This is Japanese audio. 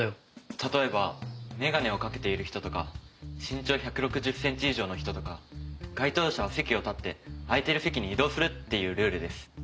例えば眼鏡をかけている人とか身長１６０センチ以上の人とか該当者は席を立って空いてる席に移動するっていうルールです。